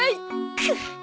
くっ！